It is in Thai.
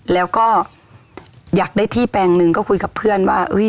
แล้วก็อยากได้ที่แปลงหนึ่งก็คุยกับเพื่อนว่า